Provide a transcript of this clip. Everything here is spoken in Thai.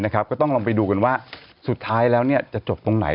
ก็ต้องลองไปดูกันว่าสุดท้ายแล้วจะจบตรงไหน